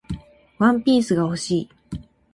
ワンピースが欲しい